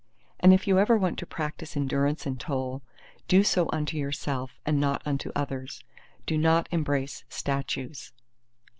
_ And if you ever want to practise endurance and toil, do so unto yourself and not unto others—do not embrace statues!